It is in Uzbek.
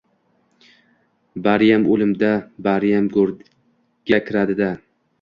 Bariyam o‘lim-da, bariyam go‘rga kiradi-da?